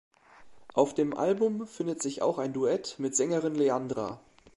Auf dem Album findet sich auch ein Duett mit Sängerin Leandra.